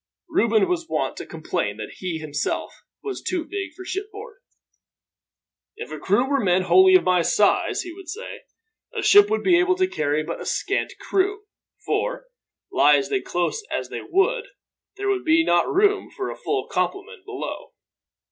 Reuben was wont to complain that he, himself, was too big for shipboard. "If a crew were men wholly of my size," he would say, "a ship would be able to carry but a scant crew; for, lie they as close as they would, there would not be room for a full complement below."